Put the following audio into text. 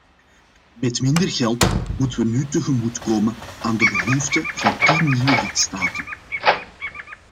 Met minder geld moeten we nu tegemoetkomen aan de behoeften van tien nieuwe lidstaten.